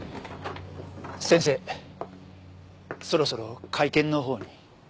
先生そろそろ会見のほうに。